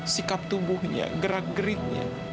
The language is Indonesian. sikap tubuhnya gerak geriknya